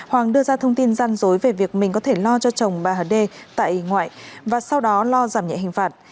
hoàng đưa ra thông tin gian dối về việc mình có thể lo cho chồng bà hà đê tại ngoại và sau đó lo giảm nhẹ hình phạt